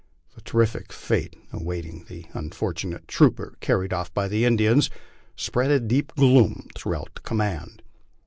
The terrible fate awaiting the unfortunate trooper carried off by the Indians spread a deep gloom through out the command.